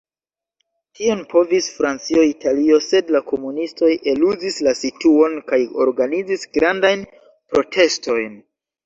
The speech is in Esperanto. Tion provis Francio, Italio, sed la komunistoj eluzis la situon kaj organizis grandajn protestojn.